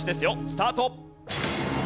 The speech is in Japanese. スタート！